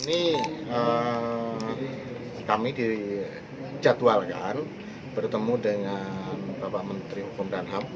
ini kami dijadwalkan bertemu dengan bapak menteri hukum dan ham